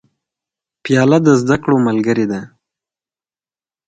پیاله د زده کړو ملګرې ده.